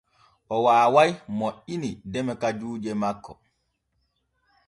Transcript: O waaway moƴƴini deme kajuuje makko.